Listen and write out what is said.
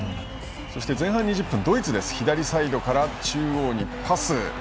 前半２０分、ドイツ左サイドから中央にパス。